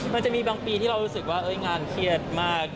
มันจะมีบางปีที่เรารู้สึกว่างานเครียดมาก